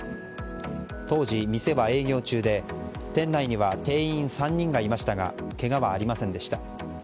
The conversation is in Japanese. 当時、店は営業中で店内には店員３人がいましたがけがはありませんでした。